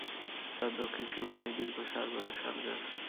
তার দক্ষিণ সীমানায় দীর্ঘ সার-বাঁধা শালগাছ।